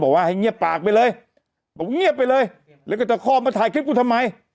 บอกว่าให้เงียบปากไปเลยบอกเงียบไปเลยแล้วก็จะคอบมาถ่ายคลิปกูทำไม